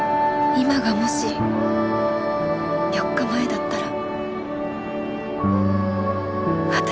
今がもし４日前だったら私は。